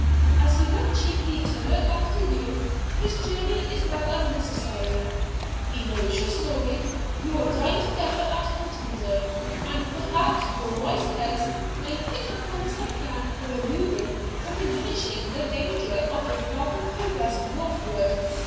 As he went chiefly to look after you, his journey is now unnecessary. He knows your story; you will dine together at Huntingdon; and perhaps your wise heads may hit upon some plan for removing or diminishing the danger of your farther progress north ward.